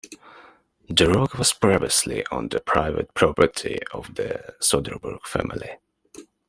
The rock was previously on the private property of the Soderburg family.